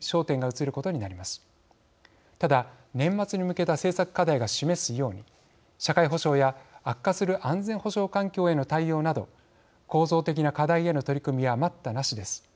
ただ年末に向けた政策課題が示すように社会保障や悪化する安全保障環境への対応など構造的な課題への取り組みは待ったなしです。